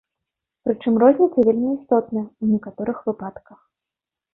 Прычым розніца вельмі істотная ў некаторых выпадках.